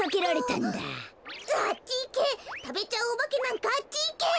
たべちゃうおばけなんかあっちいけ！